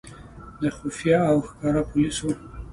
د خفیه او ښکاره پولیسو.